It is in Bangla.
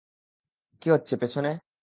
কী হচ্ছে পেছনে?